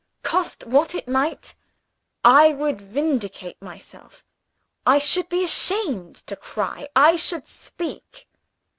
Cost what it might, I would vindicate myself. I should be ashamed to cry I should speak."